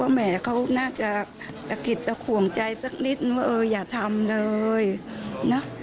ห้าความจริงก่อนทำค่ายว่าแม่เค้าน่าจะขวงใจสักนิดว่าอย่าทำเลยนะ